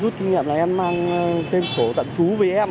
rút kinh nghiệm là em mang tên số tặng chú với em